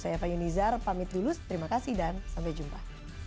saya fahim nizar pamit dulu terima kasih dan sampai jumpa